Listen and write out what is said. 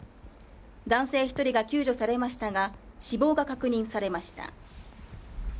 男性１人が救助されましたが死亡が確認されました。